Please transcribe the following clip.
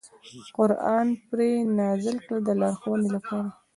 قران یې پرې نازل کړ د لارښوونې لپاره.